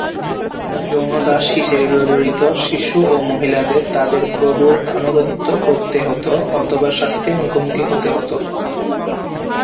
যৌন দাস হিসেবে ব্যবহৃত শিশু ও মহিলাদের তাদের প্রভুর আনুগত্য করতে হত অথবা শাস্তির মুখোমুখি হতে হত।